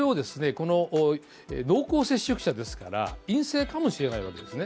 この濃厚接触者ですから、陰性かもしれないわけですね。